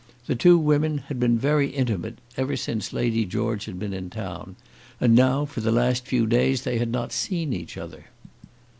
The two women had been very intimate ever since Lady George had been in town, and now for the last few days they had not seen each other.